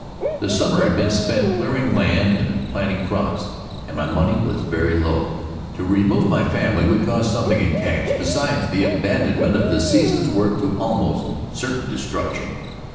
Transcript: The summer had been spent in clearing land and planting crops, and my money was very low. To remove my family would cost something in cash, besides the abandonment of the season's work to almost certain destruction.